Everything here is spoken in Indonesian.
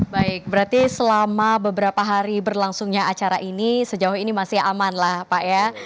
baik berarti selama beberapa hari berlangsungnya acara ini sejauh ini masih aman lah pak ya